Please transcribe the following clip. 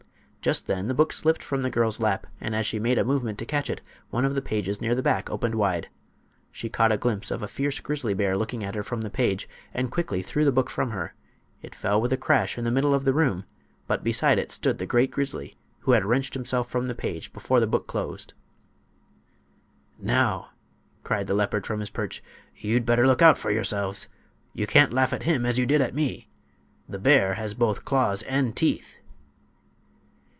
Just then the book slipped from the girl's lap, and as she made a movement to catch it one of the pages near the back opened wide. She caught a glimpse of a fierce grizzly bear looking at her from the page, and quickly threw the book from her. It fell with a crash in the middle of the room, but beside it stood the great grizzly, who had wrenched himself from the page before the book closed. "Now," cried the leopard from his perch, "you'd better look out for yourselves! You can't laugh at him as you did at me. The bear has both claws and teeth."